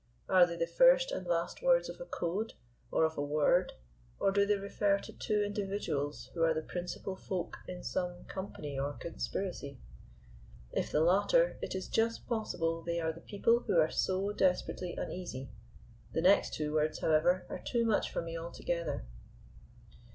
Are they the first and last words of a code, or of a word, or do they refer to two individuals who are the principal folk in some company or conspiracy? If the latter, it is just possible they are the people who are so desperately uneasy. The next two words, however, are too much for me altogether."